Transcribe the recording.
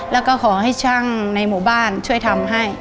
แล้วก็ขอให้ช่างในหมู่บ้านช่วยทำให้